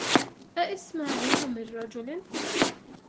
أإسماعيل من رجل